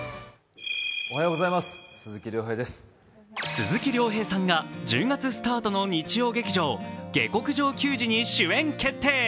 鈴木亮平さんが１０月スタートの日曜劇場「下剋上球児」に主演決定。